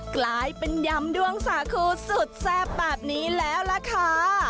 กลายเป็นยำดวงสาคูสุดแซ่บแบบนี้แล้วล่ะค่ะ